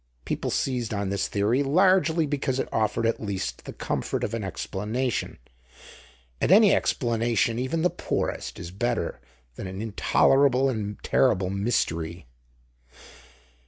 People seized on this theory largely because it offered at least the comfort of an explanation, and any explanation, even the poorest, is better than an intolerable and terrible mystery.